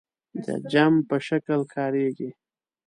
د جمع په شکل کاریږي.